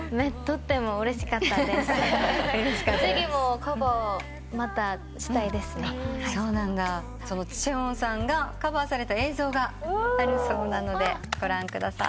ＣＨＡＥＷＯＮさんがカバーされた映像があるそうなのでご覧ください。